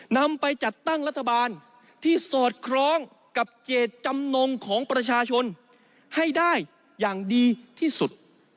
นำไปจัดตั้งรัฐบาลที่สอดคล้องกับเจตจำนงของประชาชนให้ได้อย่างดีที่สุด